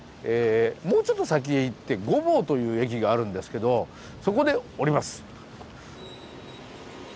もうちょっと先へ行って御坊という駅があるんですけどそこで降ります。